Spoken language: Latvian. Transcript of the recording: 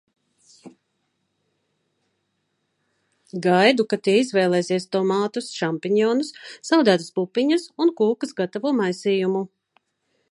Gaidu, kad tie izvēlēsies tomātus, šampinjonus, saldētas pupiņas un kūkas gatavo maisījumu.